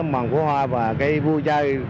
màn phố hoa và vui chơi